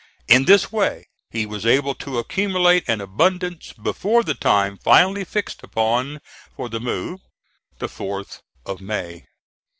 In this way he was able to accumulate an abundance before the time finally fixed upon for the move, the 4th of May.